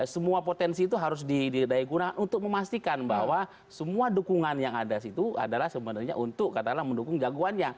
semua potensi itu harus didaya gunakan untuk memastikan bahwa semua dukungan yang ada situ adalah sebenarnya untuk mendukung jagoannya